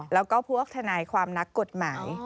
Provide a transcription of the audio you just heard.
แล้วก็พวกทนายความนักกฎหมาย